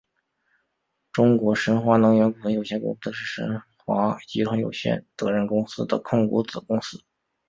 中国神华能源股份有限公司是神华集团有限责任公司的控股子公司。